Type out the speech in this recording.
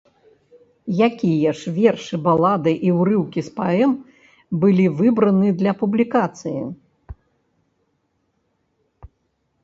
Якія ж вершы, балады і ўрыўкі з паэм былі выбраны для публікацыі?